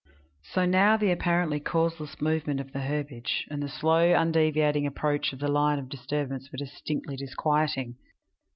So now the apparently causeless movement of the herbage, and the slow, undeviating approach of the line of disturbance were distinctly disquieting.